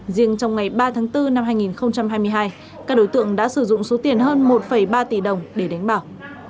riêng trong ngày ba tháng bốn năm hai nghìn hai mươi hai các đối tượng đã sử dụng số tiền hơn một ba tỷ đồng để đánh bào